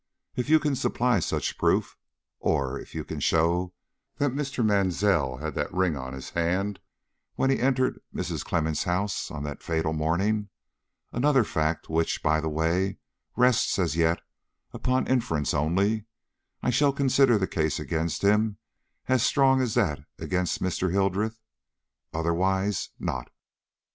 If you can supply such proof, or if you can show that Mr. Mansell had that ring on his hand when he entered Mrs. Clemmens' house on the fatal morning another fact, which, by the way, rests as yet upon inference only I shall consider the case against him as strong as that against Mr. Hildreth; otherwise, not."